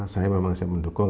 saya memang siap mendukung